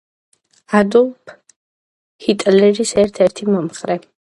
ადოლფ ჰიტლერის ერთ-ერთი მომხრე.